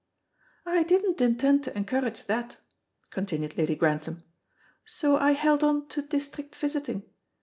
"I didn't intend to encourage that," continued Lady Grantham; "so I held on to district visiting.